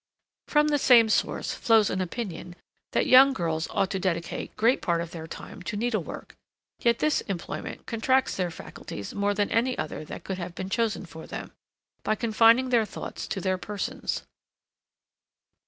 >From the same source flows an opinion that young girls ought to dedicate great part of their time to needle work; yet, this employment contracts their faculties more than any other that could have been chosen for them, by confining their thoughts to their persons.